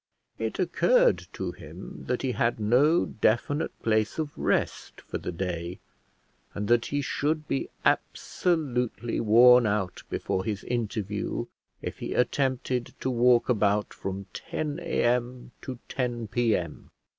It occurred to him that he had no definite place of rest for the day, and that he should be absolutely worn out before his interview if he attempted to walk about from 10 A.M. to 10 P.M.